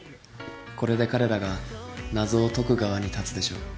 これで彼らが謎を解く側に立つでしょう。